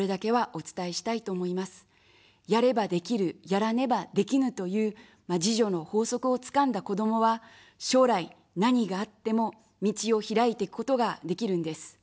やらねばできぬという、自助の法則をつかんだ子どもは将来何があっても、道をひらいていくことができるんです。